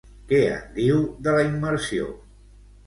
Què en diu, de la immersió?